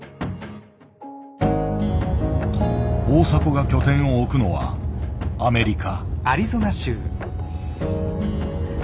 大迫が拠点を置くのはアメリカ。